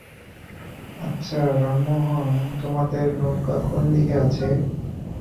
আচ্ছ, রামমােহন তােমাদের নৌকা কোন দিকে আছে?